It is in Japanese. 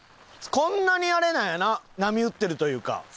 こんなにあれなんやな波打ってるというか。